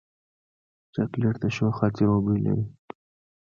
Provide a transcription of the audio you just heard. چاکلېټ د ښو خاطرو بوی لري.